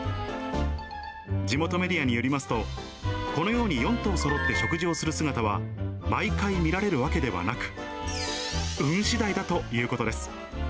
地元メディアによりますと、このように４頭そろって食事をする姿は、毎回見られるわけではなく、運しだいだということです。